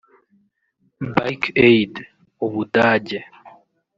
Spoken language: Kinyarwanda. Bike Aid (u Budage)